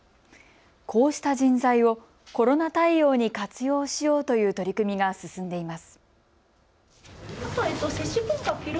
こうした人材をコロナ対応に活用しようという取り組みが進んでいます。